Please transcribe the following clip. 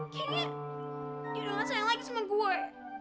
kayaknya dia udah gak sayang lagi sama gue